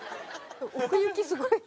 奥行きすごいな。